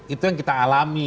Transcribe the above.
itu yang kita alami